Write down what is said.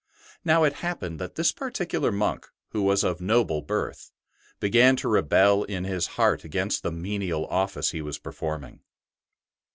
Now it happened that this particular monk, who was of noble birth, began to rebel in his heart against the menial office he was performing.